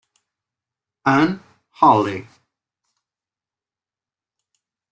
Anne Hurley